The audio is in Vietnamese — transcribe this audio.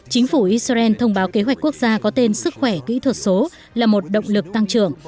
chính phủ israel thông báo kế hoạch quốc gia có tên sức khỏe kỹ thuật số là một động lực tăng trưởng